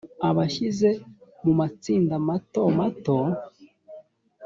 abashyize mu matsinda mato mato